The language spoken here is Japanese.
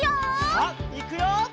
さあいくよ！